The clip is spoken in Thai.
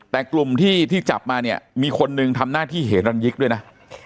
แต่กลุ่มที่จับมาเนี่ยมีคนหนึ่งทำหน้าที่เหรันยิกด้วยนะ